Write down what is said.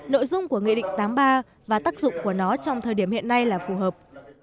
nội dung của nghị định tám mươi ba và tác dụng của nó trong thời điểm hiện nay là phù hợp